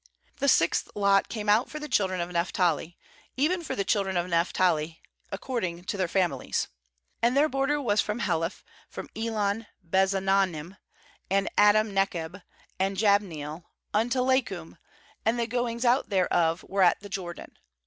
^The sixth lot caine out for the children of Naphtali, even for the children of Naphtali according to their families. ^And their border was from Heleph, from. Elon bezaanannioi, and Adami nekeb, and Jabneel, unto Lak 1 kum; and the goings out thereof were at the Jordan.